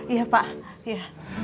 iya pak iya